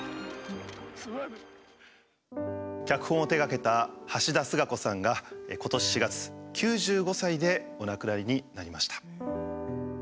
脚本を手がけた橋田壽賀子さんが今年４月９５歳でお亡くなりになりました。